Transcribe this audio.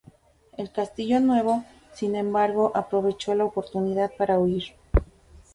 El "Castillo Nuevo", sin embargo, aprovechó la oportunidad para huir.